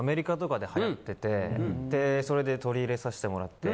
でそれで取り入れさせてもらって。